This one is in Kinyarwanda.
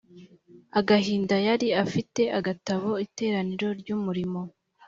agahinda yari afite agatabo iteraniro ry umurimo